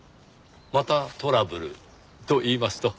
「またトラブル」といいますと？